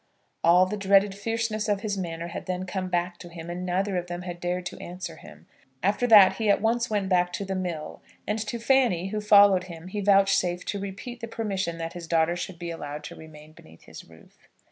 All the dreaded fierceness of his manner had then come back to him, and neither of them had dared to answer him. After that he at once went back to the mill, and to Fanny who followed him he vouchsafed to repeat the permission that his daughter should be allowed to remain beneath his roof.